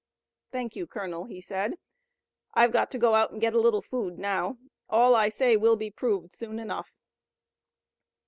"Thank you, Colonel," he said, "I've got to go out and get a little food now. All I say will be proved soon enough."